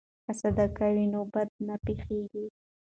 که صدقه وي نو بد نه پیښیږي.